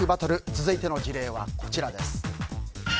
続いての事例はこちらです。